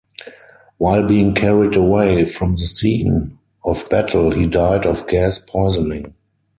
While being carried away from the scene of battle he died of gas poisoning.